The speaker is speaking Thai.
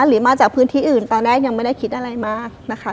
หรือมาจากพื้นที่อื่นตอนแรกยังไม่ได้คิดอะไรมากนะคะ